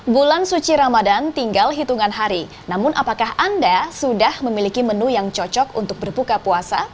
bulan suci ramadan tinggal hitungan hari namun apakah anda sudah memiliki menu yang cocok untuk berbuka puasa